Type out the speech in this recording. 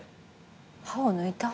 歯を抜いた？